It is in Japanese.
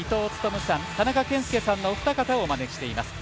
伊東勤さん田中賢介さんのお二人をお招きしています。